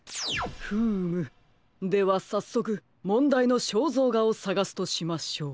フームではさっそくもんだいのしょうぞうがをさがすとしましょう。